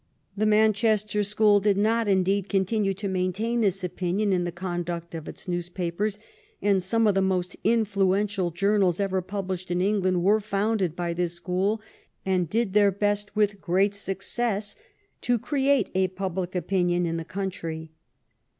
The Manchester school did not, indeed, continue to maintain this opin ion in the conduct of its newspapers, and some of the most influential journals ever published in England were founded by this school and did their best, with great success, to create a public opinion in the coun try.